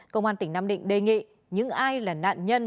công an tỉnh nam định đề nghị những ai là nạn nhân